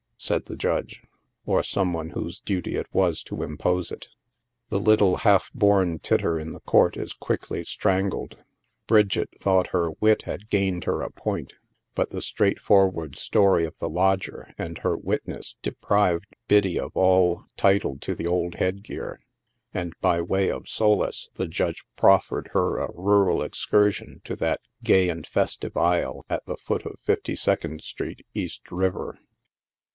said the Judge, or some one whose duty it was to im pose it. The little half born titter in the court is quickly strangled. Bridget thought her wit had gained her a point, but the straight forward story of the lodger and her witness deprived Eiddy of all title to the old head gear, and by way of solace, the Judge proffered her a rural excursion to that " gay and festive" isle at the foot of Fifty second street, East River.